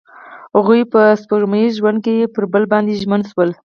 هغوی په سپوږمیز ژوند کې پر بل باندې ژمن شول.